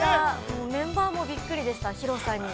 もうメンバーもびっくりでした広さに。